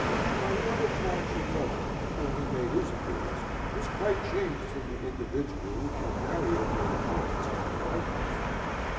My Lord of March and Ruglen, when he made his appearance, was quite changed from the individual with whom Harry had made acquaintance at the White Horse.